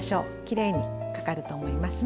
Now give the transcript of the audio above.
きれいにかかると思います。